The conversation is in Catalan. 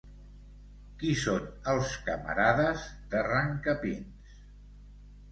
Qui són els camarades d'Arrancapins?